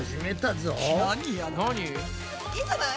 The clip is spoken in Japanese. いいんじゃない？